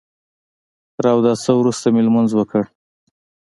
تر اوداسه وروسته مې لمونځ وکړ.